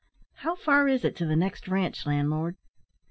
How far is it to the next ranche, landlord?"